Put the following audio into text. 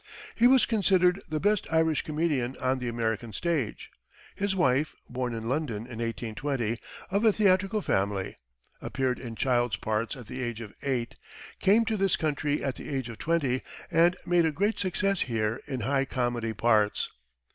He was considered the best Irish comedian on the American stage. His wife, born in London in 1820 of a theatrical family, appeared in child's parts at the age of eight, came to this country at the age of twenty, and made a great success here in high comedy parts.